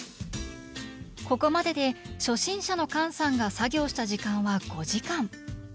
ここまでで初心者の菅さんが作業した時間は５時間。